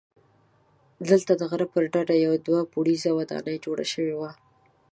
دلته د غره پر ډډه یوه دوه پوړیزه ودانۍ جوړه شوې وه.